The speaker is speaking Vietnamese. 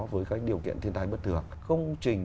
với các điều kiện thiên tai bất thường công trình